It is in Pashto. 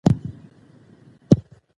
هغه لاره چې موږ یې ټاکو باید د پوهې لاره وي.